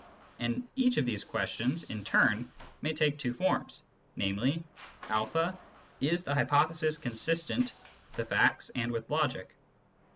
And each of these questions in turn may take two forms, namely : (a) is the hypothesis consistent with the facts and with logic